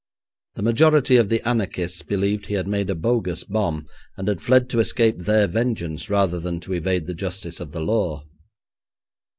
The majority of the anarchists believed he had made a bogus bomb, and had fled to escape their vengeance rather than to evade the justice of the law.